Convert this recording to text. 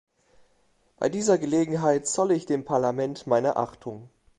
Bei dieser Gelegenheit zolle ich dem Parlament meine Achtung.